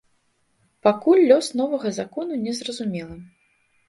Пакуль лёс новага закону не зразумелы.